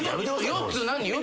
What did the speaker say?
４つ何？